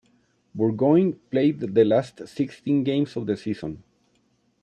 Burgoyne played the last sixteen games of the season.